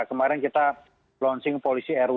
kemarin kita launching polisi rw